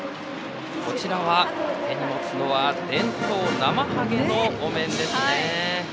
こちらは、手に持つのは伝統なまはげの、お面ですね。